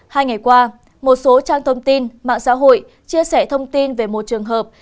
hai ngày qua một số trang thông tin mạng xã hội chia sẻ thông tin về một trường hợp